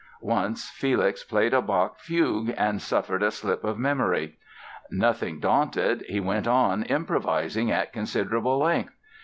Once Felix played a Bach fugue and suffered a slip of memory. Nothing daunted he went on improvising at considering length.